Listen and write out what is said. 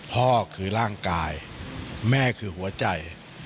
พ่อคือร่างกายแม่คือหัวใจ